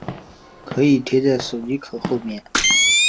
可以贴在手机壳后面